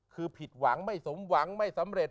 คือผิดหวังไม่สมหวังไม่สำเร็จ